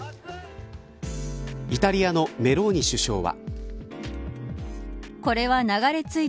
イタリアのメローニ首相は。